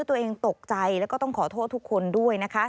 ตัวเองตกใจแล้วก็ต้องขอโทษทุกคนด้วยนะคะ